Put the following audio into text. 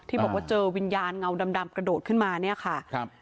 บอกว่าเจอวิญญาณเงาดำกระโดดขึ้นมาเนี่ยค่ะครับ